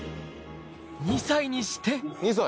２歳にして２歳！